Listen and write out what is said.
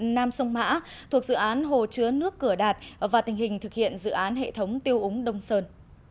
nam sông mã thuộc dự án hồ chứa nước cửa đạt và tình hình thực hiện dự án hệ thống tiêu úng đông sơn